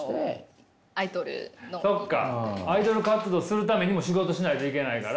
アイドル活動するためにも仕事しないといけないから。